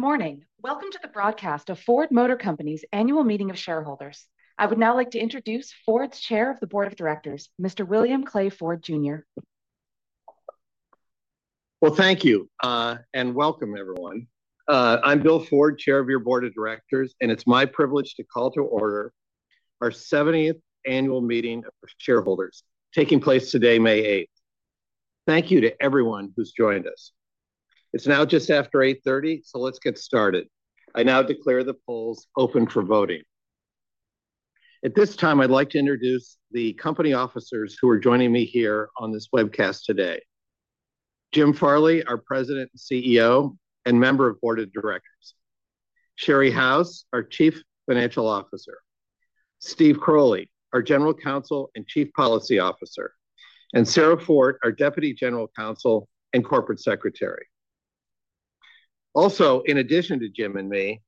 Good morning. Welcome to the broadcast of Ford Motor Company's Annual Meeting of Shareholders. I would now like to introduce Ford's Chair of the Board of Directors, Mr. William Clay Ford Jr. Well, thank you, and welcome, everyone. I'm Bill Ford, Chair of your Board of Directors, and it's my privilege to call to order our 70th Annual Meeting of Shareholders taking place today, May 8th. Thank you to everyone who's joined us. It's now just after 8:30 A.M., so let's get started. I now declare the polls open for voting. At this time, I'd like to introduce the company officers who are joining me here on this webcast today: Jim Farley, our President and CEO and member of the Board of Directors, Sherry House, our Chief Financial Officer, Steven Croley, our General Counsel and Chief Policy Officer, and Sarah Fortt, our Deputy General Counsel and Corporate Secretary. Also, in addition to Jim and me,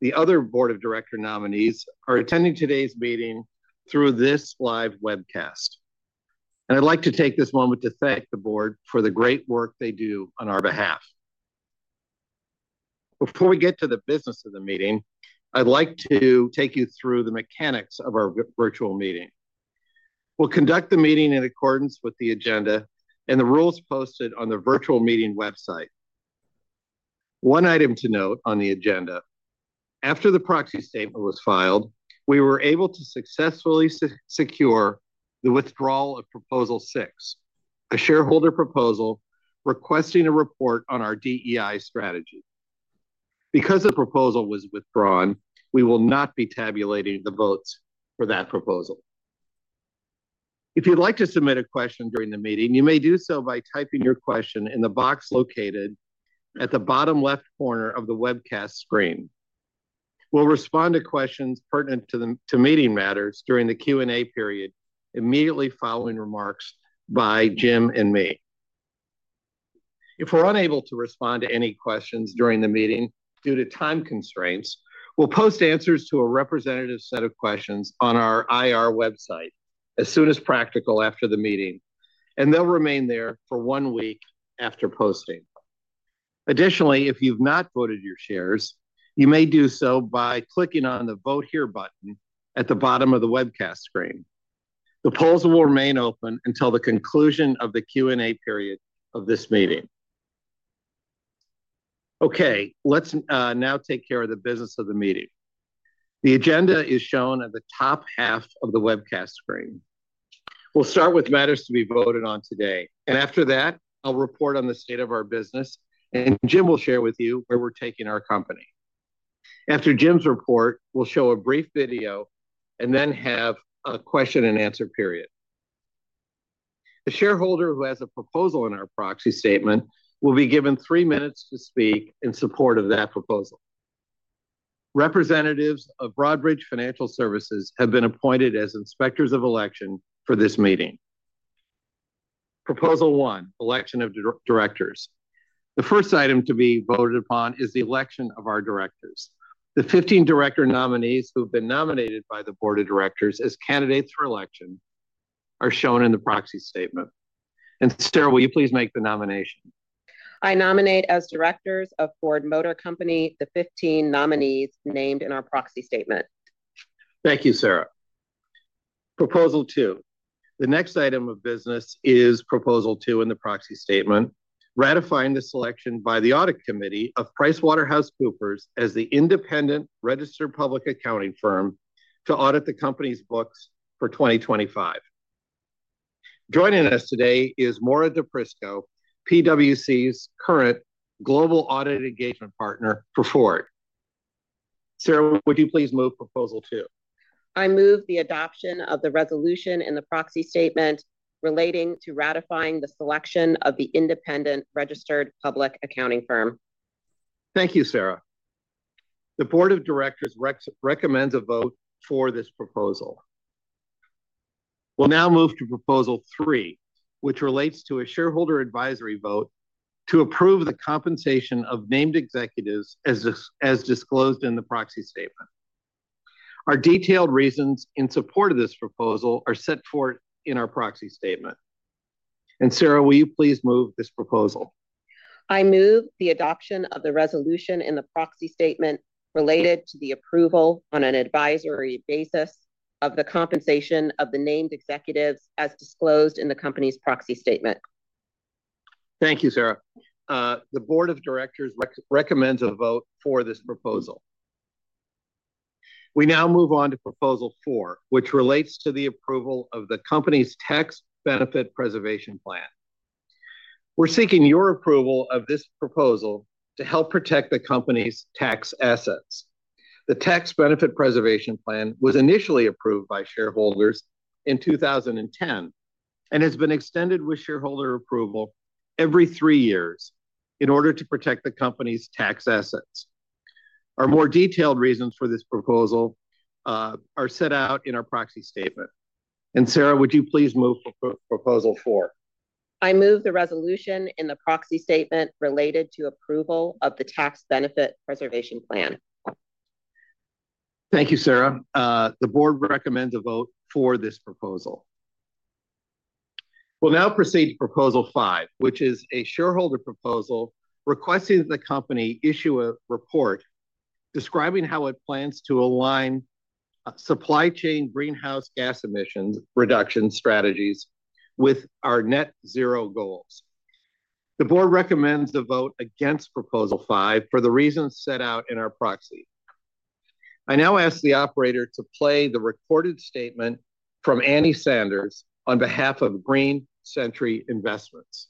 the other Board of Directors nominees are attending today's meeting through this live webcast. I'd like to take this moment to thank the board for the great work they do on our behalf. Before we get to the business of the meeting, I'd like to take you through the mechanics of our virtual meeting. We'll conduct the meeting in accordance with the agenda and the rules posted on the virtual meeting website. One item to note on the agenda: after the Proxy Statement was filed, we were able to successfully secure the withdrawal of Proposal 6, a shareholder proposal requesting a report on our DEI strategy. Because the proposal was withdrawn, we will not be tabulating the votes for that proposal. If you'd like to submit a question during the meeting, you may do so by typing your question in the box located at the bottom left corner of the webcast screen. We'll respond to questions pertinent to meeting matters during the Q&A period immediately following remarks by Jim and me. If we're unable to respond to any questions during the meeting due to time constraints, we'll post answers to a representative set of questions on our IR website as soon as practical after the meeting, and they'll remain there for one week after posting. Additionally, if you've not voted your shares, you may do so by clicking on the Vote Here button at the bottom of the webcast screen. The polls will remain open until the conclusion of the Q&A period of this meeting. Okay, let's now take care of the business of the meeting. The agenda is shown at the top half of the webcast screen. We'll start with matters to be voted on today, and after that, I'll report on the state of our business, and Jim will share with you where we're taking our company. After Jim's report, we'll show a brief video and then have a question-and-answer period. The shareholder who has a proposal in our Proxy Statement will be given three minutes to speak in support of that proposal. Representatives of Broadridge Financial Services have been appointed as inspectors of election for this meeting. Proposal 1, Election of Directors. The first item to be voted upon is the election of our directors. The 15 director nominees who have been nominated by the Board of Directors as candidates for election are shown in the Proxy Statement. And Sarah, will you please make the nomination? I nominate as directors of Ford Motor Company the 15 nominees named in our Proxy Statement. Thank you, Sarah. Proposal 2. The next item of business is Proposal 2 in the Proxy Statement, Ratifying the Selection by the Audit Committee of PricewaterhouseCoopers as the independent registered public accounting firm to audit the company's books for 2025. Joining us today is Maura DePrisco, PwC's current global audit engagement partner for Ford. Sarah, would you please move Proposal 2? I move the adoption of the resolution in the Proxy Statement relating to ratifying the selection of the independent registered public accounting firm. Thank you, Sarah. The Board of Directors recommends a vote for this proposal. We'll now move to Proposal 3, which relates to a shareholder advisory vote to approve the compensation of named executives as disclosed in the Proxy Statement. Our detailed reasons in support of this proposal are set forth in our Proxy Statement. And Sarah, will you please move this proposal? I move the adoption of the resolution in the Proxy Statement related to the approval on an advisory basis of the compensation of the named executives as disclosed in the company's Proxy Statement. Thank you, Sarah. The Board of Directors recommends a vote for this proposal. We now move on to Proposal 4, which relates to the approval of the company's Tax Benefit Preservation Plan. We're seeking your approval of this proposal to help protect the company's tax assets. The Tax Benefit Preservation Plan was initially approved by shareholders in 2010 and has been extended with shareholder approval every three years in order to protect the company's tax assets. Our more detailed reasons for this proposal are set out in our Proxy Statement. And Sarah, would you please move Proposal 4? I move the resolution in the Proxy Statement related to approval of the Tax Benefit Preservation Plan. Thank you, Sarah. The board recommends a vote for this proposal. We'll now proceed to Proposal 5, which is a shareholder proposal requesting that the company issue a report describing how it plans to align supply chain greenhouse gas emissions reduction strategies with our Net Zero goals. The board recommends a vote against Proposal 5 for the reasons set out in our proxy. I now ask the operator to play the recorded statement from Annie Sanders on behalf of Green Century Investments.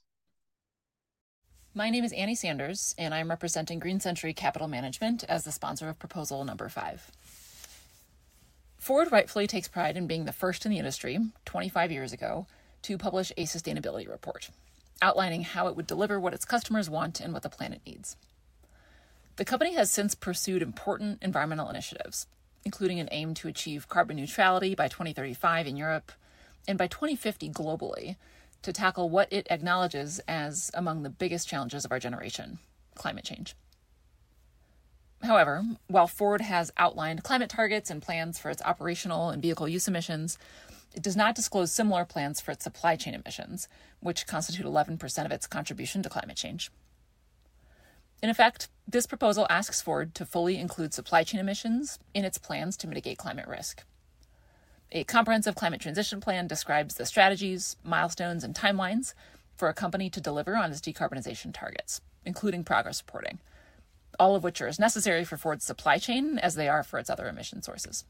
My name is Annie Sanders, and I'm representing Green Century Capital Management as the sponsor of Proposal Number 5. Ford rightfully takes pride in being the first in the industry 25 years ago to publish a sustainability report outlining how it would deliver what its customers want and what the planet needs. The company has since pursued important environmental initiatives, including an aim to achieve carbon neutrality by 2035 in Europe and by 2050 globally to tackle what it acknowledges as among the biggest challenges of our generation, climate change. However, while Ford has outlined climate targets and plans for its operational and vehicle use emissions, it does not disclose similar plans for its supply chain emissions, which constitute 11% of its contribution to climate change. In effect, this proposal asks Ford to fully include supply chain emissions in its plans to mitigate climate risk. A comprehensive climate transition plan describes the strategies, milestones, and timelines for a company to deliver on its decarbonization targets, including progress reporting, all of which are as necessary for Ford's supply chain as they are for its other emission sources.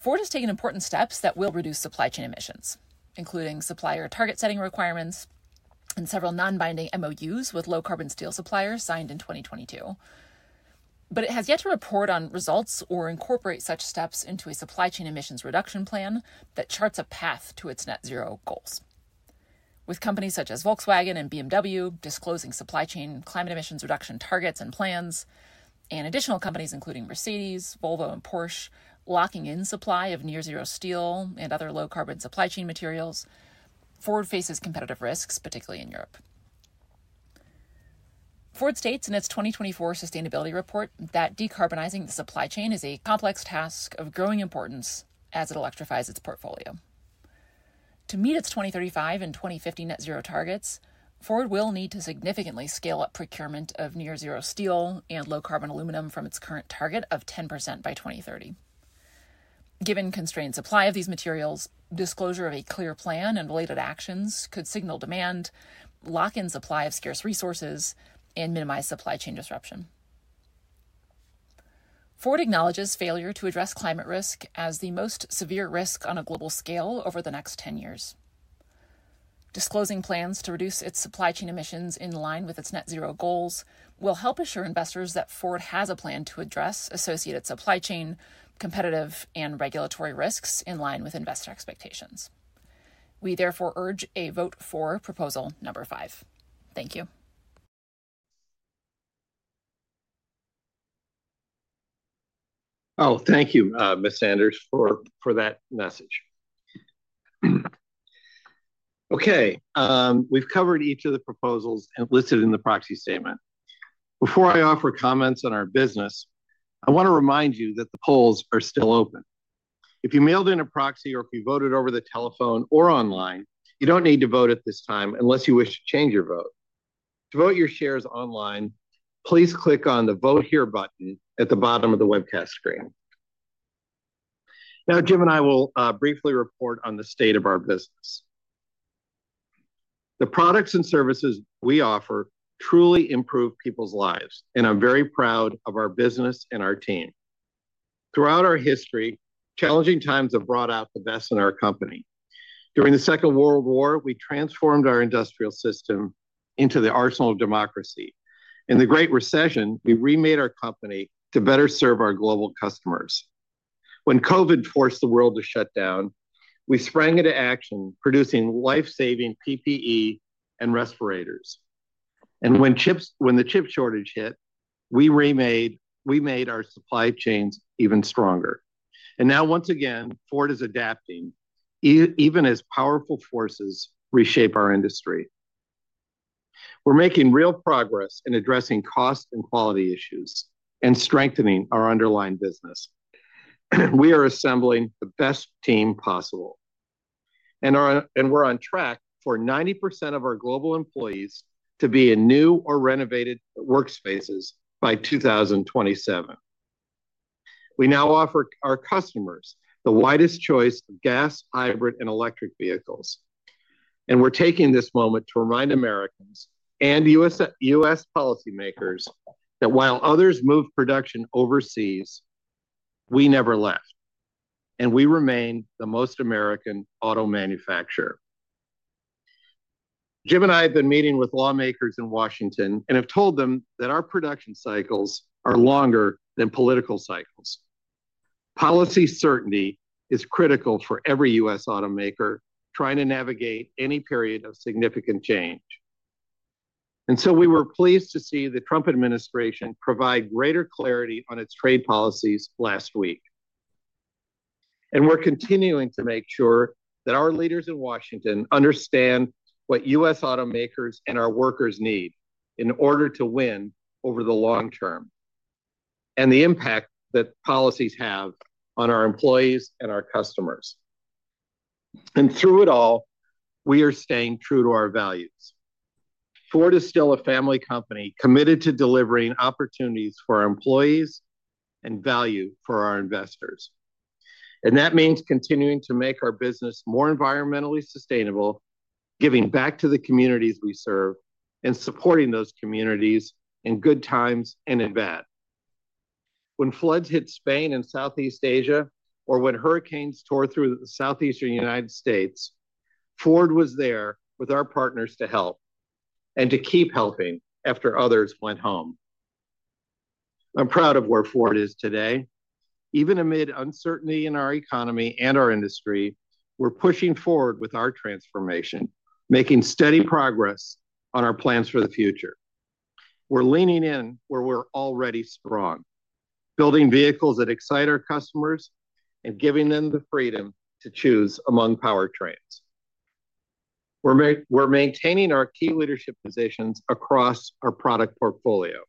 Ford has taken important steps that will reduce supply chain emissions, including supplier target setting requirements and several non-binding MOUs with low-carbon steel suppliers signed in 2022, but it has yet to report on results or incorporate such steps into a supply chain emissions reduction plan that charts a path to its Net Zero goals. With companies such as Volkswagen and BMW disclosing supply chain climate emissions reduction targets and plans, and additional companies including Mercedes, Volvo, and Porsche locking in supply of near-zero steel and other low carbon supply chain materials, Ford faces competitive risks, particularly in Europe. Ford states in its 2024 sustainability report that decarbonizing the supply chain is a complex task of growing importance as it electrifies its portfolio. To meet its 2035 and 2050 Net Zero targets, Ford will need to significantly scale up procurement of near-zero steel and low-carbon aluminum from its current target of 10% by 2030. Given constrained supply of these materials, disclosure of a clear plan and related actions could signal demand, lock in supply of scarce resources, and minimize supply chain disruption. Ford acknowledges failure to address climate risk as the most severe risk on a global scale over the next 10 years. Disclosing plans to reduce its supply chain emissions in line with its Net Zero goals will help assure investors that Ford has a plan to address associated supply chain, competitive, and regulatory risks in line with investor expectations. We therefore urge a vote for Proposal Number 5. Thank you. Oh, thank you, Ms. Sanders, for that message. Okay, we've covered each of the proposals listed in the Proxy Statement. Before I offer comments on our business, I want to remind you that the polls are still open. If you mailed in a proxy or if you voted over the telephone or online, you don't need to vote at this time unless you wish to change your vote. To vote your shares online, please click on the Vote Here button at the bottom of the webcast screen. Now, Jim and I will briefly report on the state of our business. The products and services we offer truly improve people's lives, and I'm very proud of our business and our team. Throughout our history, challenging times have brought out the best in our company. During the Second World War, we transformed our industrial system into the Arsenal of Democracy. In the Great Recession, we remade our company to better serve our global customers. When COVID forced the world to shut down, we sprang into action producing life-saving PPE and respirators. And when the chip shortage hit, we remade our supply chains even stronger. And now, once again, Ford is adapting even as powerful forces reshape our industry. We're making real progress in addressing cost and quality issues and strengthening our underlying business. We are assembling the best team possible, and we're on track for 90% of our global employees to be in new or renovated workspaces by 2027. We now offer our customers the widest choice of gas, hybrid, and electric vehicles. And we're taking this moment to remind Americans and U.S. policymakers that while others move production overseas, we never left, and we remain the most American auto manufacturer. Jim and I have been meeting with lawmakers in Washington and have told them that our production cycles are longer than political cycles. Policy certainty is critical for every U.S. automaker trying to navigate any period of significant change. And so we were pleased to see the Trump administration provide greater clarity on its trade policies last week. And we're continuing to make sure that our leaders in Washington understand what U.S. automakers and our workers need in order to win over the long term and the impact that policies have on our employees and our customers. And through it all, we are staying true to our values. Ford is still a family company committed to delivering opportunities for our employees and value for our investors. And that means continuing to make our business more environmentally sustainable, giving back to the communities we serve, and supporting those communities in good times and in bad. When floods hit Spain and Southeast Asia, or when hurricanes tore through the southeastern United States, Ford was there with our partners to help and to keep helping after others went home. I'm proud of where Ford is today. Even amid uncertainty in our economy and our industry, we're pushing forward with our transformation, making steady progress on our plans for the future. We're leaning in where we're already strong, building vehicles that excite our customers and giving them the freedom to choose among powertrains. We're maintaining our key leadership positions across our product portfolio.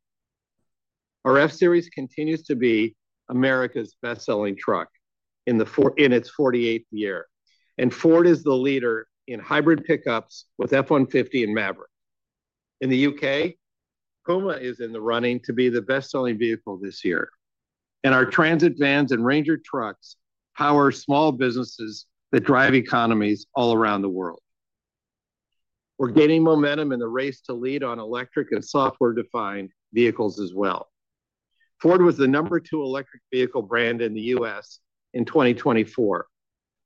Our F-Series continues to be America's best-selling truck in its 48th year, and Ford is the leader in hybrid pickups with F-150 and Maverick. In the U.K., Puma is in the running to be the best-selling vehicle this year, and our Transit vans and Ranger trucks power small businesses that drive economies all around the world. We're gaining momentum in the race to lead on electric and software-defined vehicles as well. Ford was the number two electric vehicle brand in the U.S. in 2024,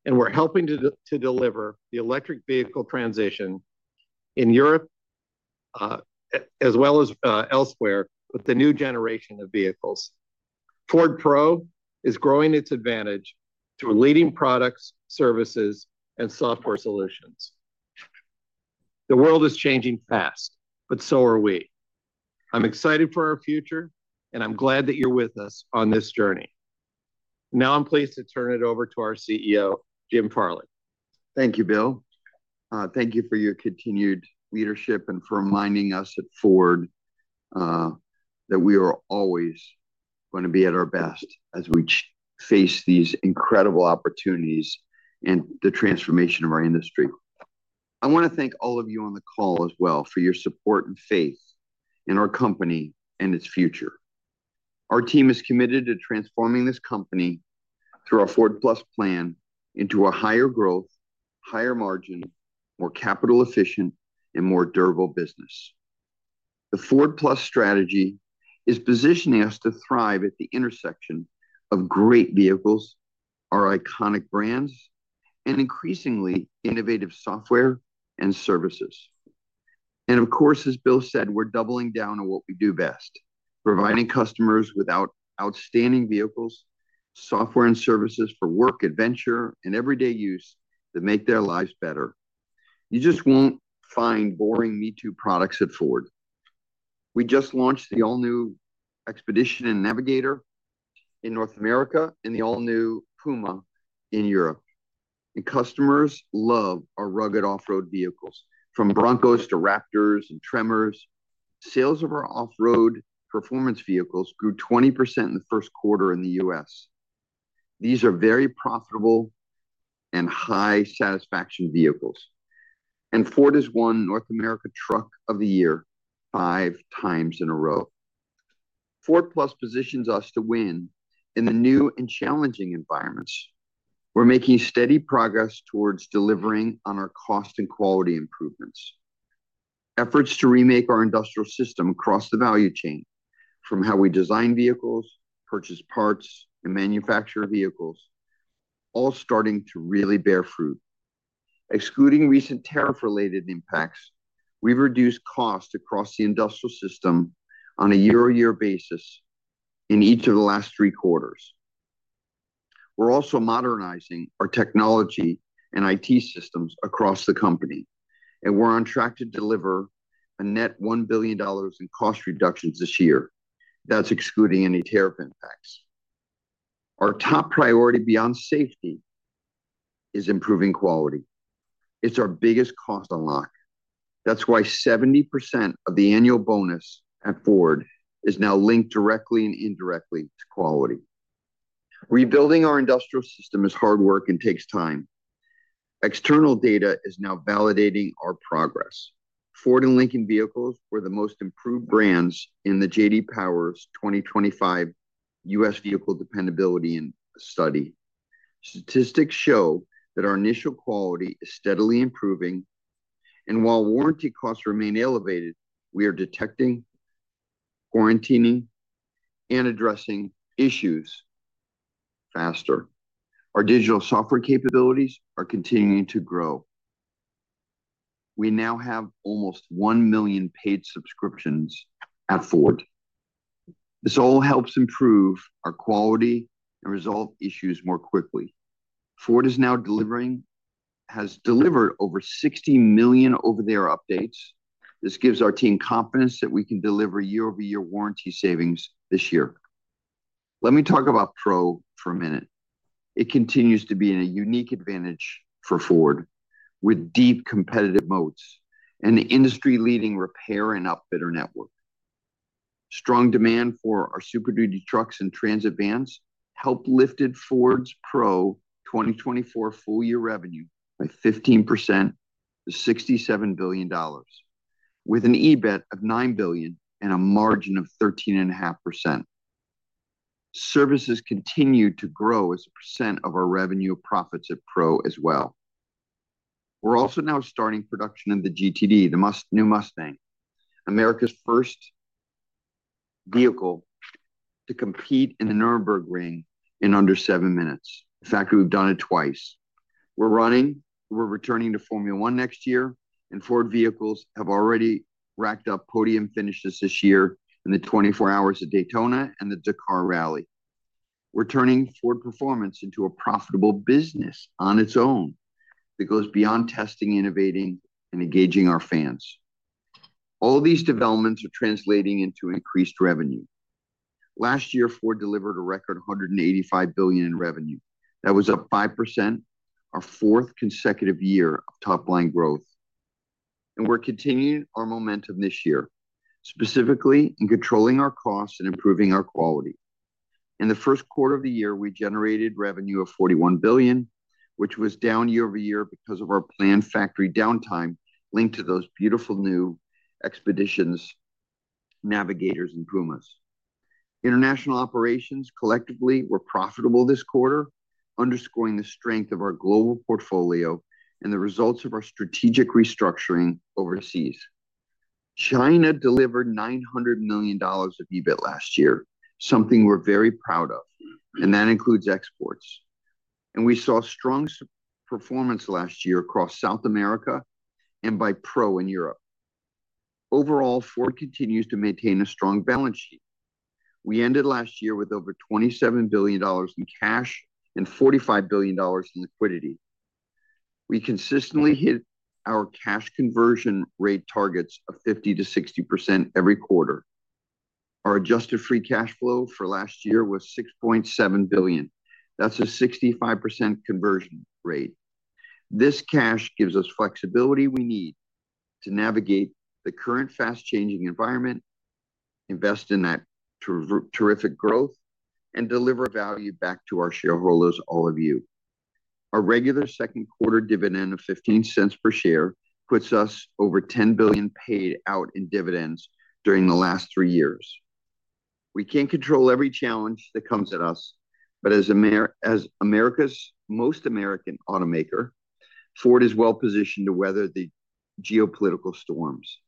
and we're helping to deliver the electric vehicle transition in Europe as well as elsewhere with the new generation of vehicles. Ford Pro is growing its advantage through leading products, services, and software solutions. The world is changing fast, but so are we. I'm excited for our future, and I'm glad that you're with us on this journey. Now I'm pleased to turn it over to our CEO, Jim Farley. Thank you, Bill. Thank you for your continued leadership and for reminding us at Ford that we are always going to be at our best as we face these incredible opportunities and the transformation of our industry. I want to thank all of you on the call as well for your support and faith in our company and its future. Our team is committed to transforming this company through our Ford+ plan into a higher growth, higher margin, more capital-efficient, and more durable business. The Ford+ strategy is positioning us to thrive at the intersection of great vehicles, our iconic brands, and increasingly innovative software and services. And of course, as Bill said, we're doubling down on what we do best, providing customers with outstanding vehicles, software, and services for work, adventure, and everyday use that make their lives better. You just won't find boring me-too products at Ford. We just launched the all-new Expedition and Navigator in North America and the all-new Puma in Europe, and customers love our rugged off-road vehicles from Broncos to Raptors and Tremors. Sales of our off-road performance vehicles grew 20% in the first quarter in the U.S. These are very profitable and high-satisfaction vehicles, and Ford has won North America Truck of the Year five times in a row. Ford+ positions us to win in the new and challenging environments. We're making steady progress towards delivering on our cost and quality improvements. Efforts to remake our industrial system across the value chain from how we design vehicles, purchase parts, and manufacture vehicles are all starting to really bear fruit. Excluding recent tariff-related impacts, we've reduced costs across the industrial system on a year-over-year basis in each of the last three quarters. We're also modernizing our technology and IT systems across the company, and we're on track to deliver a net $1 billion in cost reductions this year. That's excluding any tariff impacts. Our top priority beyond safety is improving quality. It's our biggest cost unlock. That's why 70% of the annual bonus at Ford is now linked directly and indirectly to quality. Rebuilding our industrial system is hard work and takes time. External data is now validating our progress. Ford and Lincoln Vehicles were the most improved brands in the J.D. Power's 2025 U.S. Vehicle Dependability Study. Statistics show that our initial quality is steadily improving, and while warranty costs remain elevated, we are detecting, quarantining, and addressing issues faster. Our digital software capabilities are continuing to grow. We now have almost 1 million paid subscriptions at Ford. This all helps improve our quality and resolve issues more quickly. Ford has now delivered over 60 million over-the-air updates. This gives our team confidence that we can deliver year-over-year warranty savings this year. Let me talk about Pro for a minute. It continues to be a unique advantage for Ford with deep competitive moats and the industry-leading repair and upfitter network. Strong demand for our Super Duty trucks and Transit vans helped lift Ford's Pro 2024 full-year revenue by 15% to $67 billion, with an EBIT of $9 billion and a margin of 13.5%. Services continue to grow as a percent of our revenue profits at Pro as well. We're also now starting production of the GTD, the new Mustang, America's first vehicle to compete in the Nürburgring in under seven minutes. In fact, we've done it twice. We're running. We're returning to Formula 1 next year, and Ford vehicles have already racked up podium finishes this year in the 24 hours at Daytona and the Dakar Rally. We're turning Ford Performance into a profitable business on its own that goes beyond testing, innovating, and engaging our fans. All these developments are translating into increased revenue. Last year, Ford delivered a record $185 billion in revenue. That was up 5%, our fourth consecutive year of top-line growth, and we're continuing our momentum this year, specifically in controlling our costs and improving our quality. In the first quarter of the year, we generated revenue of $41 billion, which was down year-over-year because of our planned factory downtime linked to those beautiful new Expeditions, Navigators, and Pumas. International operations collectively were profitable this quarter, underscoring the strength of our global portfolio and the results of our strategic restructuring overseas. China delivered $900 million of EBIT last year, something we're very proud of, and that includes exports, and we saw strong performance last year across South America and Ford Pro in Europe. Overall, Ford continues to maintain a strong balance sheet. We ended last year with over $27 billion in cash and $45 billion in liquidity. We consistently hit our cash conversion rate targets of 50%-60% every quarter. Our adjusted free cash flow for last year was $6.7 billion. That's a 65% conversion rate. This cash gives us flexibility we need to navigate the current fast-changing environment, invest in that terrific growth, and deliver value back to our shareholders, all of you. Our regular second-quarter dividend of $0.15 per share puts us over $10 billion paid out in dividends during the last three years. We can't control every challenge that comes at us, but as America's most American automaker, Ford is well-positioned to weather the geopolitical storms.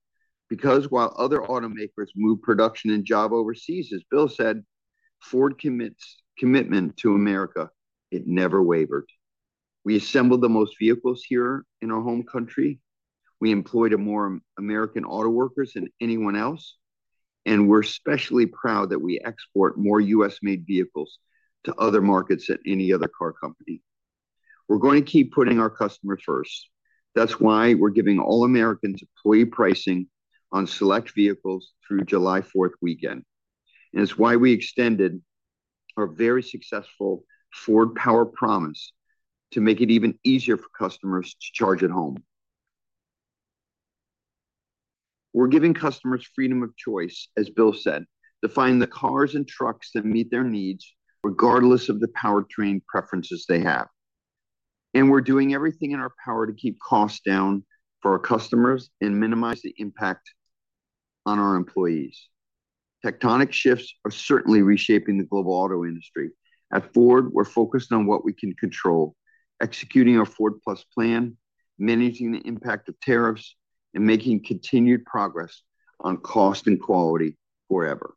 Because while other automakers move production and job overseas, as Bill said, Ford's commitment to America, it never wavered. We assembled the most vehicles here in our home country. We employed more American auto workers than anyone else, and we're especially proud that we export more U.S.-made vehicles to other markets than any other car company. We're going to keep putting our customers first. That's why we're giving all Americans employee pricing on select vehicles through July 4th weekend. And it's why we extended our very successful Ford Power Promise to make it even easier for customers to charge at home. We're giving customers freedom of choice, as Bill said, to find the cars and trucks that meet their needs regardless of the powertrain preferences they have. And we're doing everything in our power to keep costs down for our customers and minimize the impact on our employees. Tectonic shifts are certainly reshaping the global auto industry. At Ford, we're focused on what we can control, executing our Ford+ plan, managing the impact of tariffs, and making continued progress on cost and quality forever.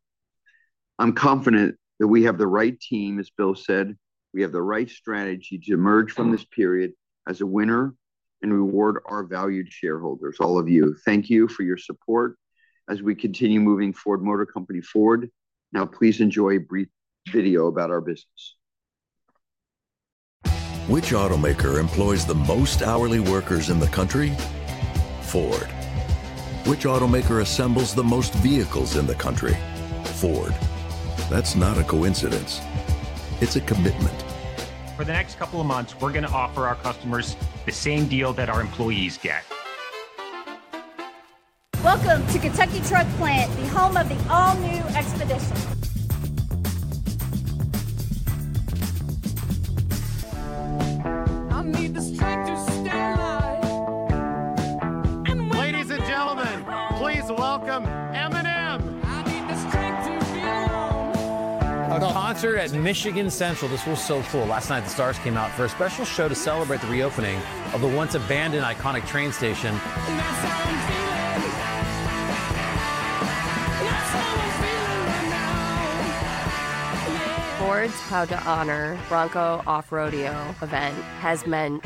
I'm confident that we have the right team, as Bill said. We have the right strategy to emerge from this period as a winner and reward our valued shareholders, all of you. Thank you for your support as we continue moving Ford Motor Company forward. Now, please enjoy a brief video about our business. Which automaker employs the most hourly workers in the country? Ford. Which automaker assembles the most vehicles in the country? Ford. That's not a coincidence. It's a commitment. For the next couple of months, we're going to offer our customers the same deal that our employees get. Welcome to Kentucky Truck Plant, the home of the all-new Expedition. I need this train to stay alive. Ladies and gentlemen, please welcome Eminem. I need this train to be alone. A concert at Michigan Central. This was so cool. Last night, the stars came out for a special show to celebrate the reopening of the once-abandoned iconic train station. That's how I'm feeling. That's how I'm feeling right now. Ford's proud to honor Bronco Off-Roadeo event has meant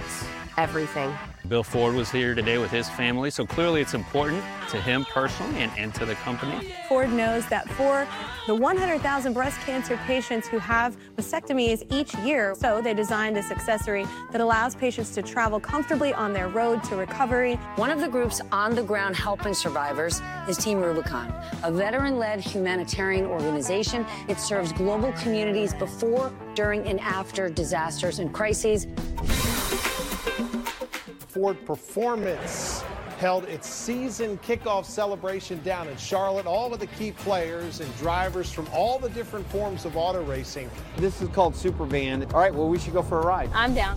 everything. Bill Ford was here today with his family, so clearly it's important to him personally and to the company. Ford knows that for the 100,000 breast cancer patients who have mastectomies each year, they designed this accessory that allows patients to travel comfortably on their road to recovery. One of the groups on the ground helping survivors is Team Rubicon, a veteran-led humanitarian organization. It serves global communities before, during, and after disasters and crises. Ford Performance held its season kickoff celebration down in Charlotte, all with the key players and drivers from all the different forms of auto racing. This is called SuperVan. All right, well, we should go for a ride. I'm down.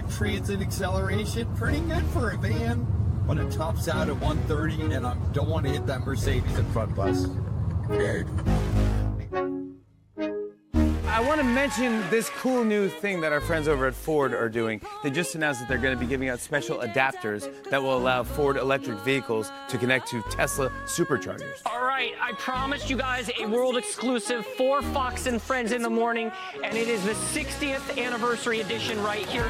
We got the electric Transit acceleration. Pretty good for a van. But it tops out at 130, and I don't want to hit that Mercedes in front of us. I want to mention this cool new thing that our friends over at Ford are doing. They just announced that they're going to be giving out special adapters that will allow Ford electric vehicles to connect to Tesla Superchargers. All right, I promised you guys a world exclusive for Fox & Friends in the morning, and it is the 60th Anniversary edition right here.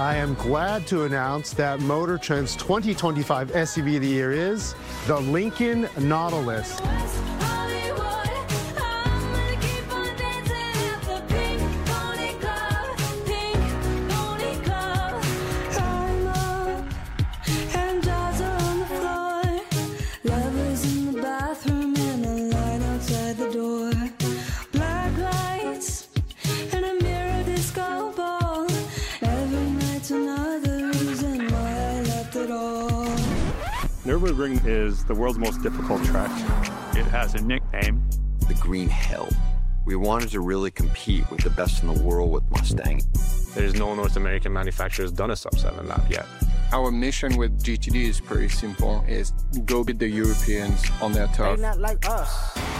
I am glad to announce that MotorTrend's 2025 SUV of the Year is the Lincoln Nautilus. I'm gonna keep on dancing at the Pink Pony Club, Pink Pony Club. I'm up and jaws are on the floor. Lover's in the bathroom and a line outside the door. Black lights and a mirrored disco ball. Every night's another reason why I left it all. Nürburgring is the world's most difficult track. It has a nickname. The Green Hell. We wanted to really compete with the best in the world with Mustang. There's no North American manufacturer that's done a sub-seven in that yet. Our mission with GTD is pretty simple. It's go beat the Europeans on their turf. They're not like us.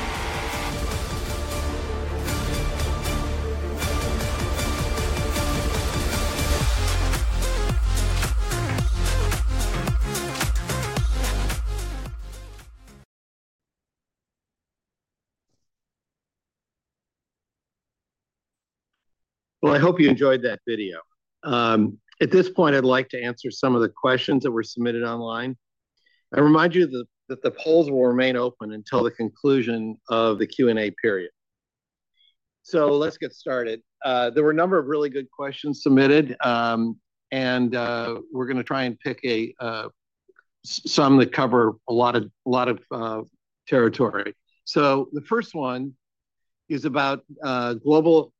Well, I hope you enjoyed that video. At this point, I'd like to answer some of the questions that were submitted online. I remind you that the polls will remain open until the conclusion of the Q&A period. So let's get started. There were a number of really good questions submitted, and we're going to try and pick some that cover a lot of territory. So the first one is about global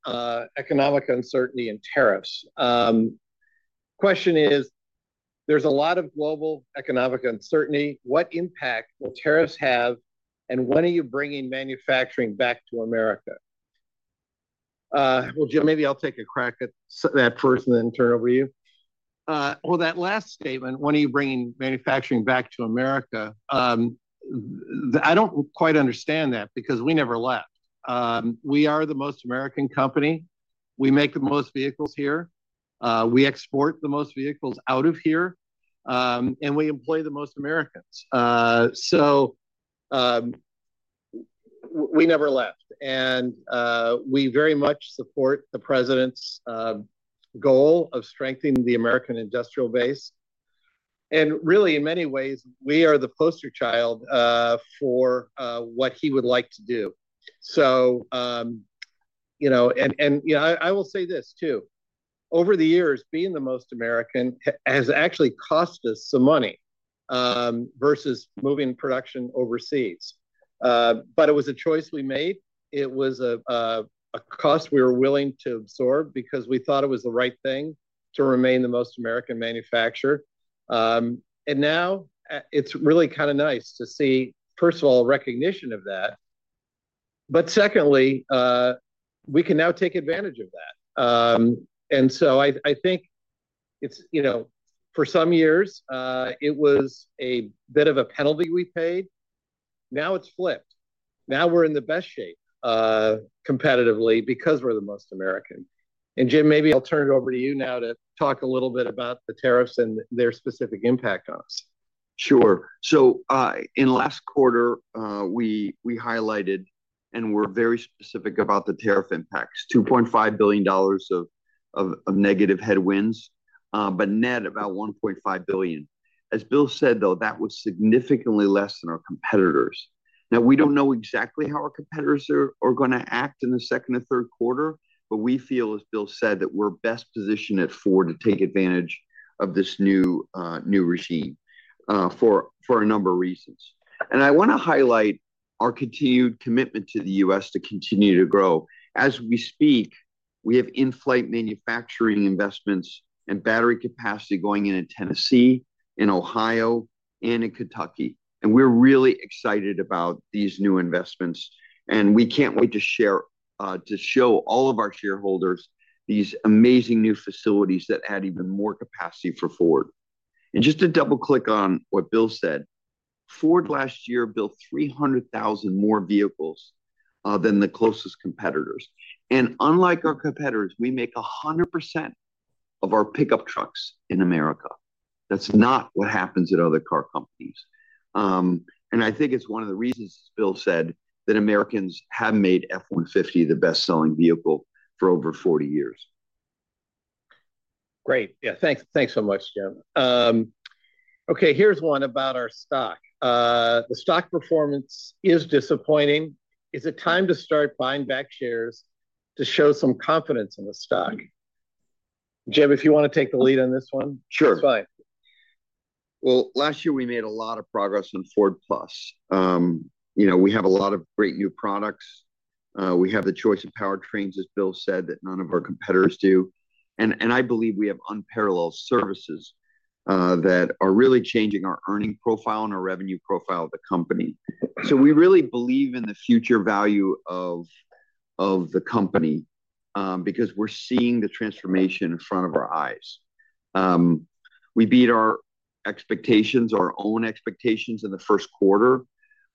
economic uncertainty and tariffs. The question is, "there's a lot of global economic uncertainty. What impact will tariffs have, and when are you bringing manufacturing back to America?" Well, Jim, maybe I'll take a crack at that first and then turn it over to you. Well, that last statement, "when are you bringing manufacturing back to America?" I don't quite understand that because we never left. We are the most American company. We make the most vehicles here. We export the most vehicles out of here, and we employ the most Americans. So we never left, and we very much support the president's goal of strengthening the American industrial base. And really, in many ways, we are the poster child for what he would like to do. And I will say this too. Over the years, being the most American has actually cost us some money versus moving production overseas. But it was a choice we made. It was a cost we were willing to absorb because we thought it was the right thing to remain the most American manufacturer. And now it's really kind of nice to see, first of all, recognition of that. But secondly, we can now take advantage of that. And so I think for some years, it was a bit of a penalty we paid. Now it's flipped. Now we're in the best shape competitively because we're the most American. And Jim, maybe I'll turn it over to you now to talk a little bit about the tariffs and their specific impact on us. Sure. So in last quarter, we highlighted and were very specific about the tariff impacts: $2.5 billion of negative headwinds, but net about $1.5 billion. As Bill said, though, that was significantly less than our competitors. Now, we don't know exactly how our competitors are going to act in the second and third quarter, but we feel, as Bill said, that we're best positioned at Ford to take advantage of this new regime for a number of reasons. And I want to highlight our continued commitment to the U.S. to continue to grow. As we speak, we have in-flight manufacturing investments in battery capacity going into Tennessee, in Ohio, and in Kentucky. We're really excited about these new investments, and we can't wait to show all of our shareholders these amazing new facilities that add even more capacity for Ford. Just to double-click on what Bill said, Ford last year built 300,000 more vehicles than the closest competitors. Unlike our competitors, we make 100% of our pickup trucks in America. That's not what happens at other car companies. I think it's one of the reasons, as Bill said, that Americans have made F-150 the best-selling vehicle for over 40 years. Great. Yeah, thanks so much, Jim. Okay, here's one about our stock. The stock performance is disappointing. Is it time to start buying back shares to show some confidence in the stock? Jim, if you want to take the lead on this one. Sure. It's fine. Last year, we made a lot of progress in Ford+. We have a lot of great new products. We have the choice of powertrains, as Bill said, that none of our competitors do. I believe we have unparalleled services that are really changing our earning profile and our revenue profile of the company. We really believe in the future value of the company because we're seeing the transformation in front of our eyes. We beat our expectations, our own expectations in the first quarter.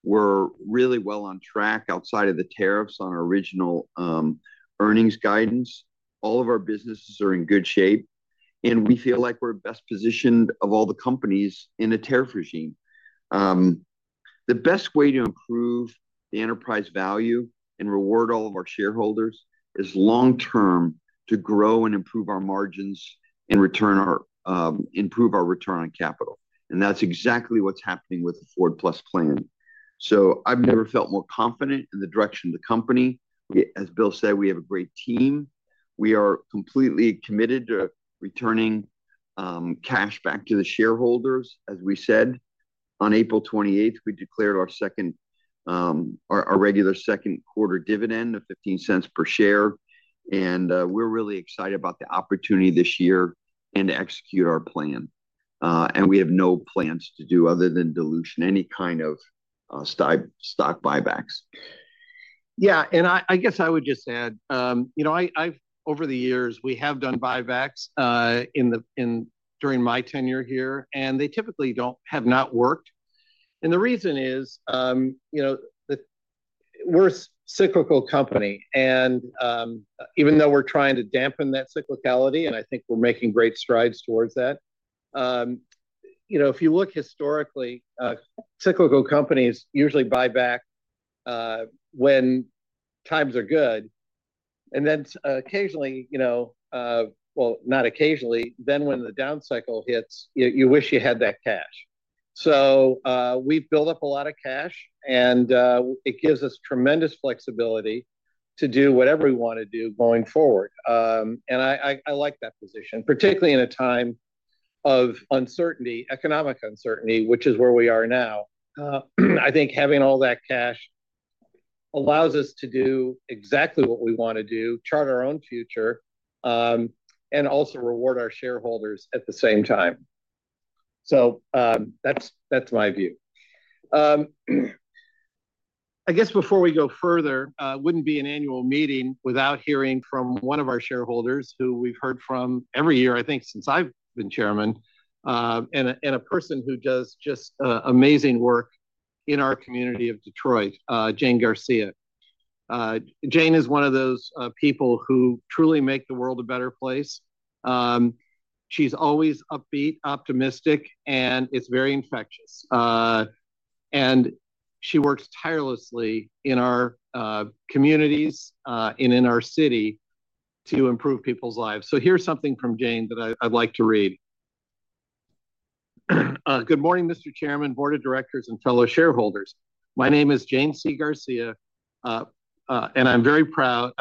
We're really well on track outside of the tariffs on our original earnings guidance. All of our businesses are in good shape, and we feel like we're best positioned of all the companies in a tariff regime. The best way to improve the enterprise value and reward all of our shareholders is long-term to grow and improve our margins and improve our return on capital. And that's exactly what's happening with the Ford+ plan. So I've never felt more confident in the direction of the company. As Bill said, we have a great team. We are completely committed to returning cash back to the shareholders. As we said, on April 28th, we declared our regular second quarter dividend of $0.15 per share. And we're really excited about the opportunity this year and to execute our plan. And we have no plans to do other than dilution any kind of stock buybacks. Yeah, and I guess I would just add, over the years, we have done buybacks during my tenure here, and they typically have not worked. And the reason is we're a cyclical company. And even though we're trying to dampen that cyclicality, and I think we're making great strides towards that, if you look historically, cyclical companies usually buy back when times are good. And then occasionally, well, not occasionally, then when the down cycle hits, you wish you had that cash. So we've built up a lot of cash, and it gives us tremendous flexibility to do whatever we want to do going forward. And I like that position, particularly in a time of uncertainty, economic uncertainty, which is where we are now. I think having all that cash allows us to do exactly what we want to do, chart our own future, and also reward our shareholders at the same time. So that's my view. I guess before we go further, it wouldn't be an annual meeting without hearing from one of our shareholders who we've heard from every year, I think, since I've been Chairman, and a person who does just amazing work in our community of Detroit, Jane Garcia. Jane is one of those people who truly make the world a better place. She's always upbeat, optimistic, and it's very infectious, and she works tirelessly in our communities and in our city to improve people's lives. So here's something from Jane C. Garcia that I'd like to read. Good morning, Mr. Chairman, Board of Directors, and fellow shareholders. My name is Jane C. Garcia, and I'm a very proud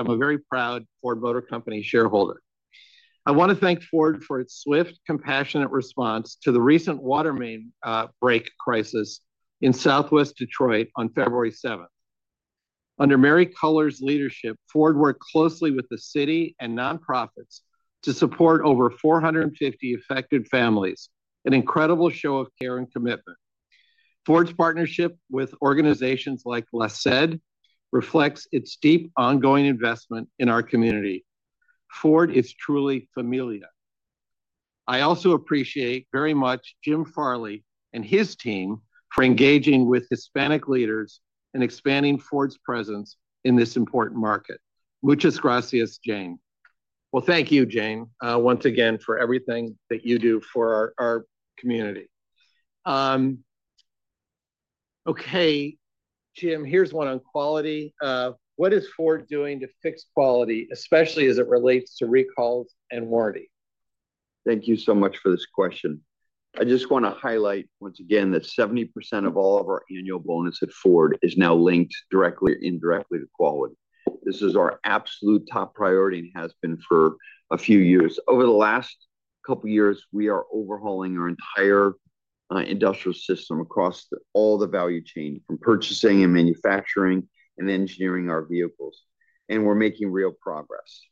Ford Motor Company shareholder. I want to thank Ford for its swift, compassionate response to the recent water main break crisis in Southwest Detroit on February 7th. Under Mary Culler's leadership, Ford worked closely with the city and nonprofits to support over 450 affected families, an incredible show of care and commitment. Ford's partnership with organizations like LA SED reflects its deep ongoing investment in our community. Ford is truly familia. I also appreciate very much Jim Farley and his team for engaging with Hispanic leaders and expanding Ford's presence in this important market. Muchas gracias, Jane. Thank you, Jane, once again, for everything that you do for our community. Okay, Jim, here's one on quality. What is Ford doing to fix quality, especially as it relates to recalls and warranty? Thank you so much for this question. I just want to highlight once again that 70% of all of our annual bonus at Ford is now linked directly or indirectly to quality. This is our absolute top priority and has been for a few years. Over the last couple of years, we are overhauling our entire industrial system across all the value chain from purchasing and manufacturing and engineering our vehicles, and we're making real progress.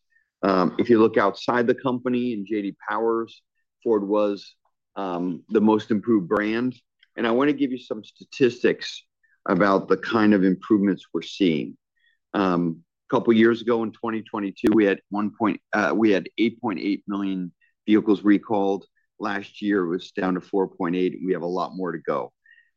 If you look outside the company and J.D. Power, Ford was the most improved brand, and I want to give you some statistics about the kind of improvements we're seeing. A couple of years ago in 2022, we had 8.8 million vehicles recalled. Last year, it was down to 4.8. We have a lot more to go.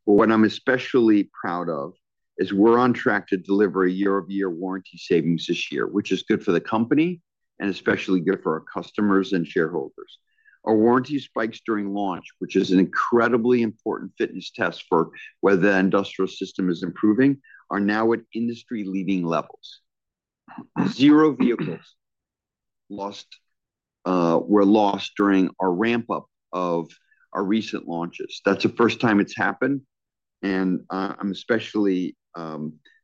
But what I'm especially proud of is we're on track to deliver a year-over-year warranty savings this year, which is good for the company and especially good for our customers and shareholders. Our warranty spikes during launch, which is an incredibly important fitness test for whether the industrial system is improving, are now at industry-leading levels. Zero vehicles were lost during our ramp-up of our recent launches. That's the first time it's happened. And I'm especially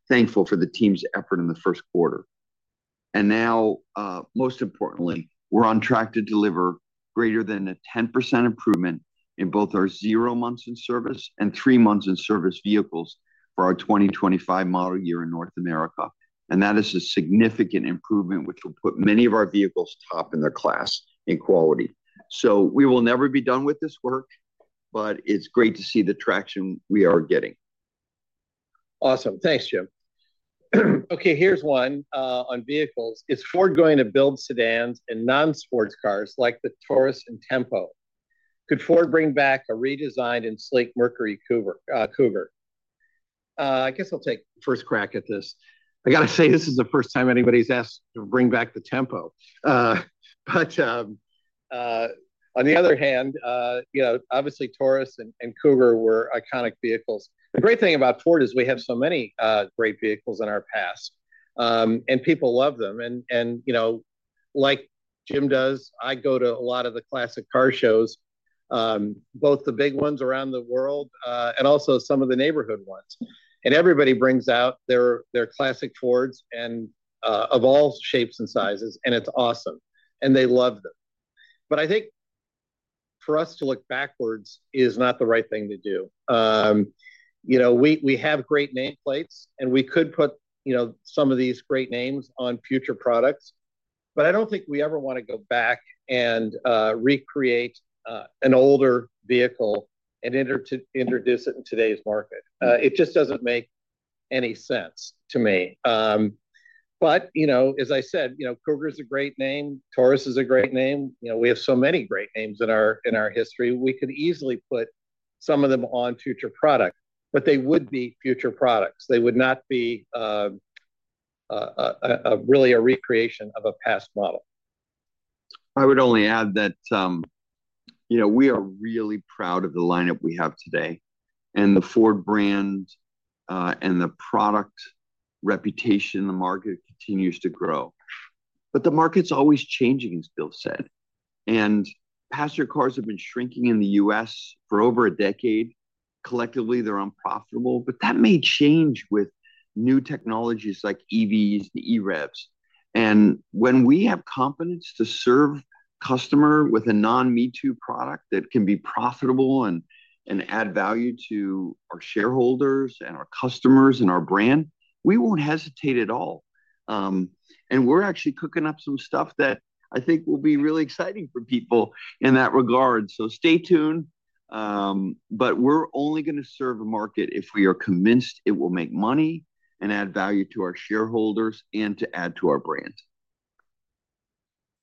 thankful for the team's effort in the first quarter. And now, most importantly, we're on track to deliver greater than a 10% improvement in both our zero months in service and three months in service vehicles for our 2025 model year in North America. And that is a significant improvement, which will put many of our vehicles top in their class in quality. So we will never be done with this work, but it's great to see the traction we are getting. Awesome. Thanks, Jim. Okay, here's one on vehicles. Is Ford going to build sedans and non-sports cars like the Taurus and Tempo? Could Ford bring back a redesigned and sleek Mercury Cougar? I guess I'll take the first crack at this. I got to say, this is the first time anybody's asked to bring back the Tempo. But on the other hand, obviously, Taurus and Cougar were iconic vehicles. The great thing about Ford is we have so many great vehicles in our past, and people love them. And like Jim does, I go to a lot of the classic car shows, both the big ones around the world and also some of the neighborhood ones. And everybody brings out their classic Fords of all shapes and sizes, and it's awesome. And they love them. But I think for us to look backwards is not the right thing to do. We have great nameplates, and we could put some of these great names on future products. But I don't think we ever want to go back and recreate an older vehicle and introduce it in today's market. It just doesn't make any sense to me. But as I said, Cougar is a great name. Taurus is a great name. We have so many great names in our history. We could easily put some of them on future products, but they would be future products. They would not be really a recreation of a past model. I would only add that we are really proud of the lineup we have today and the Ford brand and the product reputation in the market continues to grow, but the market's always changing, as Bill said, and passenger cars have been shrinking in the U.S. for over a decade. Collectively, they're unprofitable, but that may change with new technologies like EVs and EREVs, and when we have confidence to serve the customer with a non-me-too product that can be profitable and add value to our shareholders and our customers and our brand, we won't hesitate at all. And we're actually cooking up some stuff that I think will be really exciting for people in that regard, so stay tuned, but we're only going to serve a market if we are convinced it will make money and add value to our shareholders and to add to our brand.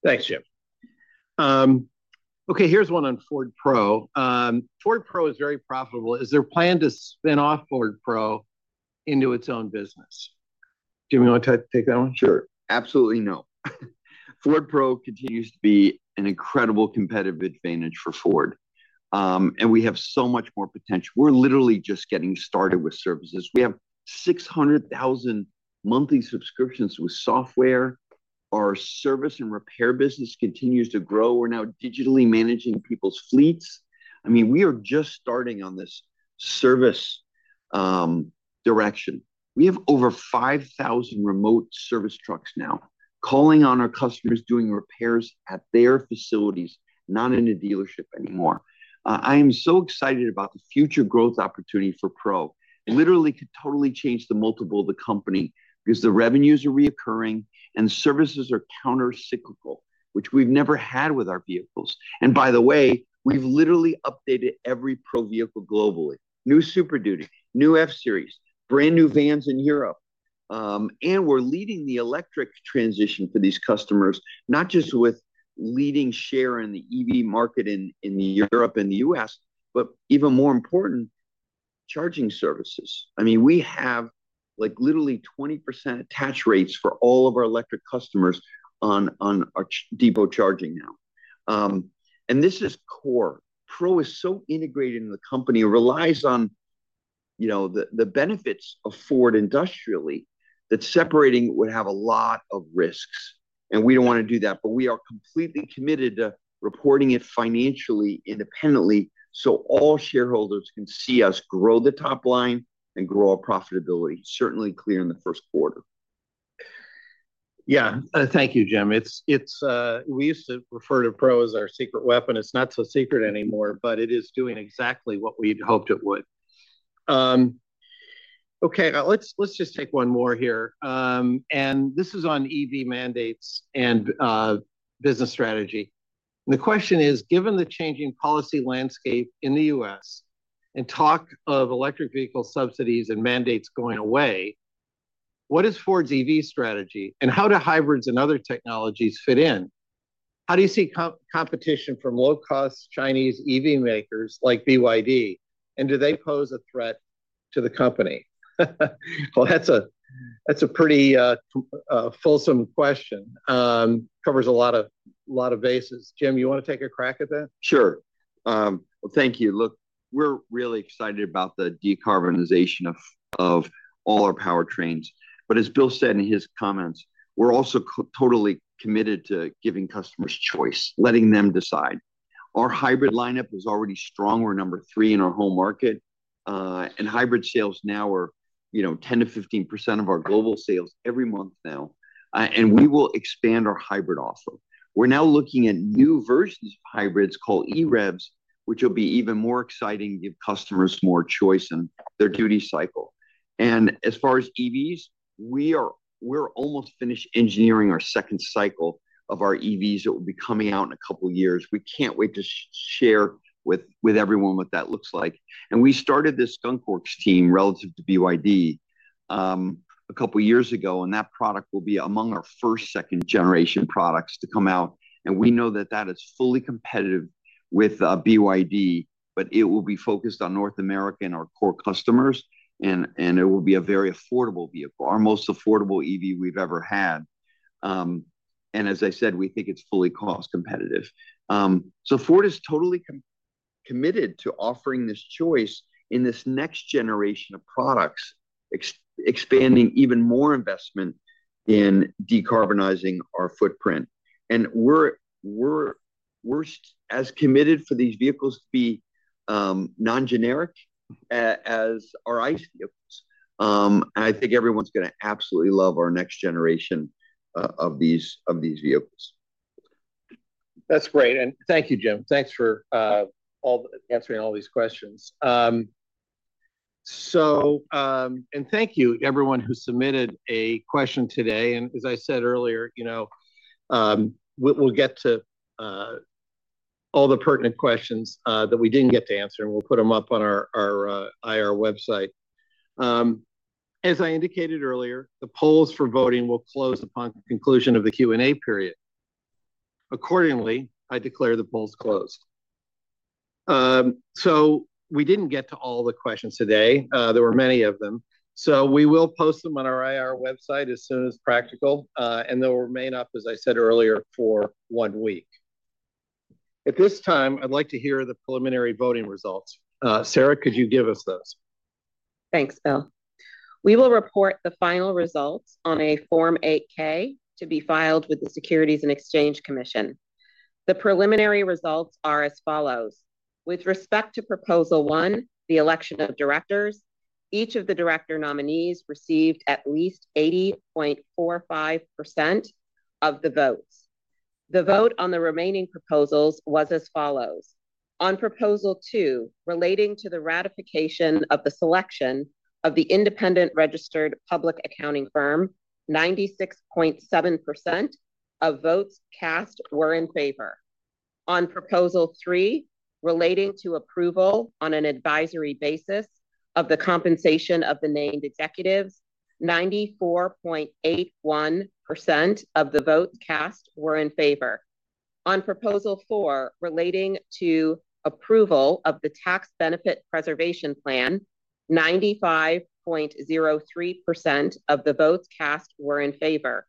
Thanks, Jim. Okay, here's one on Ford Pro. Ford Pro is very profitable. Is there a plan to spin off Ford Pro into its own business? Jim, you want to take that one? Sure. Absolutely no. Ford Pro continues to be an incredible competitive advantage for Ford. And we have so much more potential. We're literally just getting started with services. We have 600,000 monthly subscriptions with software. Our service and repair business continues to grow. We're now digitally managing people's fleets. I mean, we are just starting on this service direction. We have over 5,000 remote service trucks now calling on our customers, doing repairs at their facilities, not in a dealership anymore. I am so excited about the future growth opportunity for Pro. It literally could totally change the multiple of the company because the revenues are recurring and services are countercyclical, which we've never had with our vehicles. And by the way, we've literally updated every Pro vehicle globally: new Super Duty, new F-Series, brand new vans in Europe. And we're leading the electric transition for these customers, not just with leading share in the EV market in Europe and the U.S., but even more important, charging services. I mean, we have literally 20% attach rates for all of our electric customers on our depot charging now. And this is core. Pro is so integrated in the company. It relies on the benefits of Ford industrially that separating would have a lot of risks. And we don't want to do that. But we are completely committed to reporting it financially independently so all shareholders can see us grow the top line and grow our profitability, certainly clear in the first quarter. Yeah. Thank you, Jim. We used to refer to Pro as our secret weapon. It's not so secret anymore, but it is doing exactly what we'd hoped it would. Okay, let's just take one more here, and this is on EV mandates and business strategy. The question is, given the changing policy landscape in the U.S. and talk of electric vehicle subsidies and mandates going away, what is Ford's EV strategy and how do hybrids and other technologies fit in? How do you see competition from low-cost Chinese EV makers like BYD? And do they pose a threat to the company? Well, that's a pretty fulsome question. Covers a lot of bases. Jim, you want to take a crack at that? Sure. Well, thank you. Look, we're really excited about the decarbonization of all our powertrains. But as Bill said in his comments, we're also totally committed to giving customers choice, letting them decide. Our hybrid lineup is already strong. We're number three in our home market. And hybrid sales now are 10%-15% of our global sales every month now. And we will expand our hybrid offer. We're now looking at new versions of hybrids called EREVs, which will be even more exciting to give customers more choice in their duty cycle. And as far as EVs, we're almost finished engineering our second cycle of our EVs that will be coming out in a couple of years. We can't wait to share with everyone what that looks like. And we started this skunkworks team relative to BYD a couple of years ago. And that product will be among our first second-generation products to come out. And we know that that is fully competitive with BYD, but it will be focused on North America and our core customers. And it will be a very affordable vehicle, our most affordable EV we've ever had. And as I said, we think it's fully cost competitive. So Ford is totally committed to offering this choice in this next generation of products, expanding even more investment in decarbonizing our footprint. And we're as committed for these vehicles to be non-generic as our ICE vehicles. And I think everyone's going to absolutely love our next generation of these vehicles. That's great. And thank you, Jim. Thanks for answering all these questions. And thank you, everyone who submitted a question today. And as I said earlier, we'll get to all the pertinent questions that we didn't get to answer, and we'll put them up on our IR website. As I indicated earlier, the polls for voting will close upon the conclusion of the Q&A period. Accordingly, I declare the polls closed. So we didn't get to all the questions today. There were many of them. So we will post them on our IR website as soon as practical. And they'll remain up, as I said earlier, for one week. At this time, I'd like to hear the preliminary voting results. Sarah, could you give us those? Thanks, Bill. We will report the final results on a Form 8-K to be filed with the Securities and Exchange Commission. The preliminary results are as follows. With respect to Proposal 1, the election of directors, each of the director nominees received at least 80.45% of the votes. The vote on the remaining proposals was as follows. On Proposal 2, relating to the ratification of the selection of the independent registered public accounting firm, 96.7% of votes cast were in favor. On Proposal 3, relating to approval, on an advisory basis, of the compensation of the named executives, 94.81% of the votes cast were in favor. On Proposal 4, relating to approval of the tax benefit preservation plan, 95.03% of the votes cast were in favor.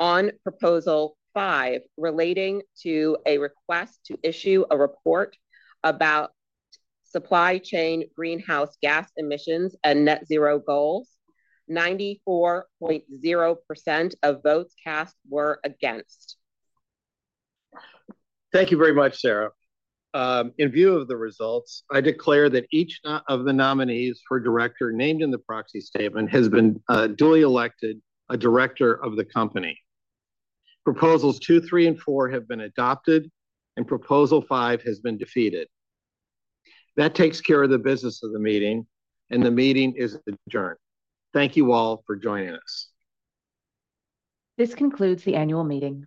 On Proposal 5, relating to a request to issue a report about supply chain greenhouse gas emissions and Net Zero goals, 94.0% of votes cast were against. Thank you very much, Sarah. In view of the results, I declare that each of the nominees for director named in the Proxy Statement has been duly elected a director of the company. Proposals 2, 3, and 4 have been adopted, and Proposal 5 has been defeated. That takes care of the business of the meeting, and the meeting is adjourned. Thank you all for joining us. This concludes the annual meeting.